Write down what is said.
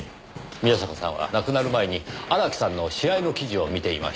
宮坂さんは亡くなる前に荒木さんの試合の記事を見ていました。